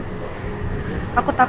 papa sampai tau